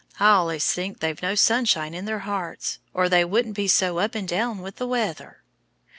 I allays thinks they've no sunshine in their hearts, or they wouldn't be so up and down with the weather."